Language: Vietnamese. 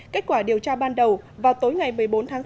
kết quả điều tra ban đầu vào tối ngày một mươi bốn tháng bốn